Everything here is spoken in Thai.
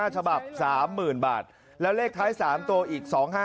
ฉบับ๓๐๐๐บาทแล้วเลขท้าย๓ตัวอีก๒๕๖